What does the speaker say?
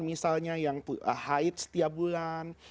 misalnya yang haid setiap bulan